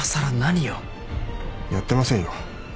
やってませんよ